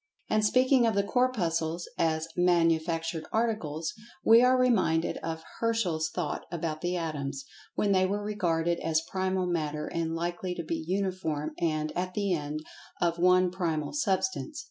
And speaking of the Corpuscles, as "manufactured articles," we are reminded of Herschel's thought about the Atoms, when they were regarded as Primal Matter and likely to be uniform, and, at the end, of one primal substance.